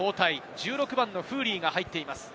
１６番のフーリーが入っています。